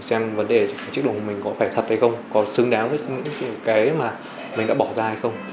xem vấn đề chiếc đồng hồ của mình có phải thật hay không có xứng đáng với những cái mà mình đã bỏ ra hay không